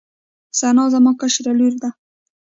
ثنا زما کشره لور ده